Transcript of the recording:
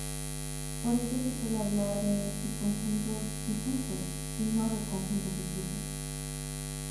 Por ello se suele hablar de subconjuntos difusos y no de conjuntos difusos.